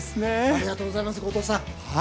ありがとうございます後藤さん。